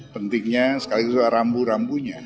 pentingnya sekali lagi soal rambu rambunya